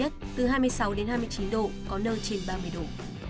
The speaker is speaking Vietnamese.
nhiệt độ cao nhất từ hai mươi sáu hai mươi chín độ có nơi trên ba mươi độ